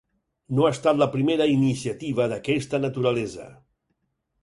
No ha estat la primera iniciativa d'aquesta naturalesa.